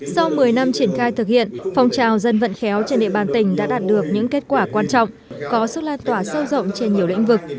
sau một mươi năm triển khai thực hiện phong trào dân vận khéo trên địa bàn tỉnh đã đạt được những kết quả quan trọng có sức lan tỏa sâu rộng trên nhiều lĩnh vực